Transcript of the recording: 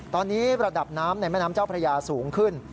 ตอนนี้ระดับน้ำในแม่น้ำเจ้าพระยาสูงขึ้น